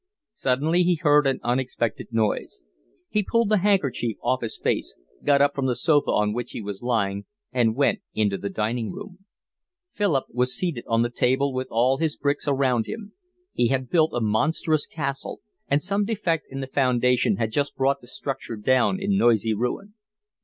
Suddenly he heard an unexpected noise. He pulled the handkerchief off his face, got up from the sofa on which he was lying, and went into the dining room. Philip was seated on the table with all his bricks around him. He had built a monstrous castle, and some defect in the foundation had just brought the structure down in noisy ruin.